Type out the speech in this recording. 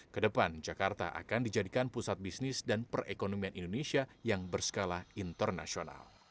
kedepan jakarta akan dijadikan pusat bisnis dan perekonomian indonesia yang berskala internasional